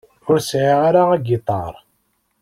Ur sɛiɣ ara agiṭar.